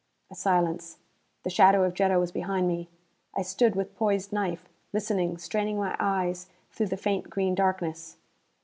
A silence. The shadow of Jetta was behind me. I stood with poised knife, listening, straining my eyes through the faint green darkness.